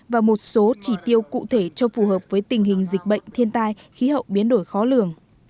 và một số chỉ tiêu cụ thể cho phù hợp với tình hình dịch bệnh thiên tai khí hậu biến đổi khó lường